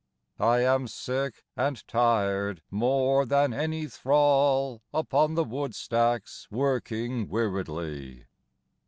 I am sick, and tired more than any thrall Upon the woodstacks working weariedly.